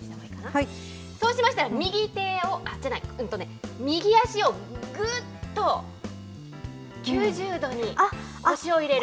そうしましたら右手を、じゃない、右足をぐっと９０度に腰を入れる。